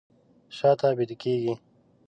شاته بیده کیږي